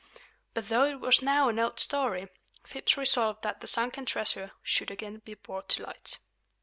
But though it was now an old story, Phips resolved that the sunken treasure should again be brought to light.